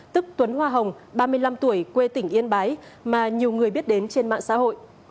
tức tuấn hoa hồng ba mươi năm tuổi quê tỉnh yên bái mà nhiều người biết đến trên mạng xã hội